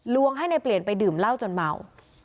ให้ในเปลี่ยนไปดื่มเหล้าจนเมา